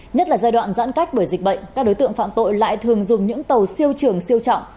nhất là giai đoạn giãn cách bởi dịch bệnh các đối tượng phạm tội lại thường dùng những tàu siêu trường siêu trọng